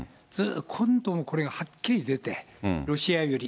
今度もこれがはっきり出て、ロシア寄り。